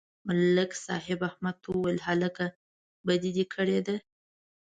ملک صاحب احمد ته وویل: هلکه، بدي دې کړې ده.